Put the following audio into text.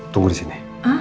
tunggu di sini